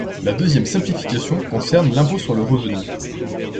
La deuxième simplification concerne l’impôt sur le revenu.